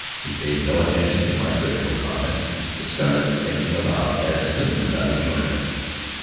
He paid no attention to my critical comments, but started thinking aloud as soon as I rejoined him.